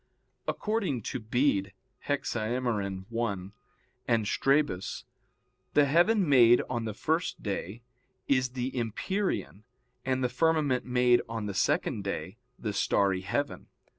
According to Bede (Hexaem. i) and Strabus, the heaven made on the first day is the empyrean, and the firmament made on the second day, the starry heaven.